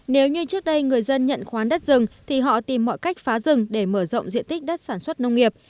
nếu như trước đây người dân nhận khoán đất rừng thì họ tìm mọi cách phá rừng để mở rộng diện tích đất sản xuất nông nghiệp